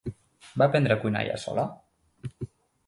Va aprendre a cuinar ella sola?